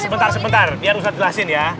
sebentar sebentar biar ustadz jelasin ya